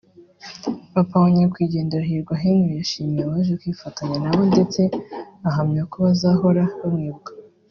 papa wa nyakwigendera Hirwa Henry yashimiye abaje kwifatanya nabo ndetse ahamyako bazahora bamwibuka